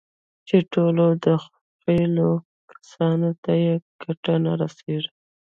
چې ټولو دخيلو کسانو ته يې ګټه نه رسېږي.